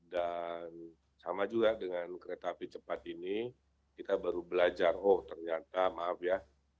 dan sama juga dengan kereta hp cepat ini kita baru belajar oh ternyata maaf ya